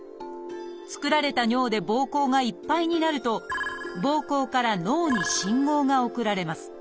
作られた尿でぼうこうがいっぱいになるとぼうこうから脳に信号が送られます。